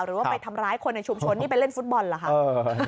หรือว่าไปทำร้ายคนในชุมชนนี่ไปเล่นฟุตบอลเหรอคะ